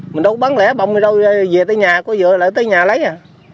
mình đâu có bán lẻ bông gì đâu về tới nhà có dựa lại tới nhà lấy à